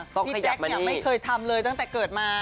พี่แจ๊คไม่เคยทำเลยตั้งแต่เกิดมา